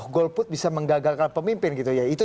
golput bisa menggagalkan pemimpin gitu ya itu